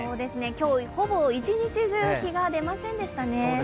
今日ほぼ一日中、日が出ませんでしたね。